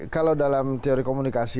kalau dalam teori komunikasi